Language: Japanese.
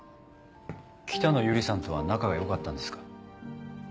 北野由里さんとは仲が良かったんですか？